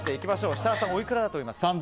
設楽さん、おいくらだと思いますか？